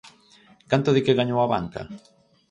¿Canto di que gañou a banca?